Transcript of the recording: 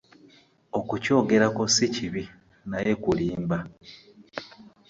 Okukyogerako ssi kibi naye kulimba.